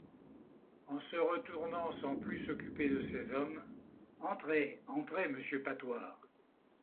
Et, se retournant, sans plus s’occuper de ces hommes :— Entrez, entrez, monsieur Patoir…